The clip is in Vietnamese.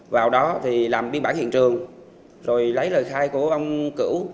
vào đó thì làm biên bản hiện trường rồi lấy lời khai của ông cửu